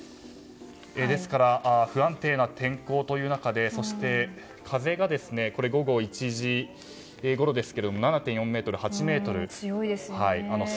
ですから不安定な天候という中でそして、風が午後１時ごろですが７．４メートル、８メートル。